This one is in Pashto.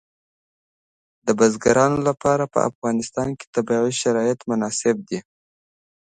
د بزګانو لپاره په افغانستان کې طبیعي شرایط مناسب دي.